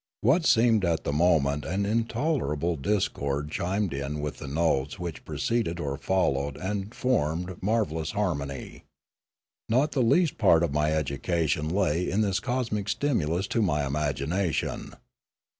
What seemed at the moment an intolerable discord chimed in with the notes which preceded or followed and formed mar vellous harmony. Not the least part of my education lay in this cosmic stimulus to my imagination.